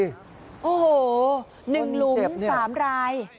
โอ้โฮหนึ่งหลุมสามราย